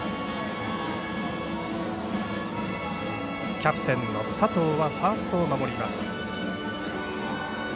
キャプテンの佐藤はファーストを守ります。